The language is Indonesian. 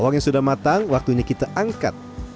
uang yang sudah matang waktunya kita angkat